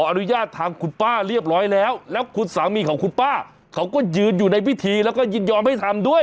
อนุญาตทางคุณป้าเรียบร้อยแล้วแล้วคุณสามีของคุณป้าเขาก็ยืนอยู่ในพิธีแล้วก็ยินยอมให้ทำด้วย